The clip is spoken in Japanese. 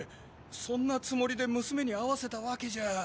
そんなつもりで娘に会わせた訳じゃ。